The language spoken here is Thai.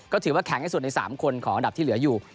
ก็ถือว่าแข็งที่สุดใน๓คนของอันดับที่เหลืออยู่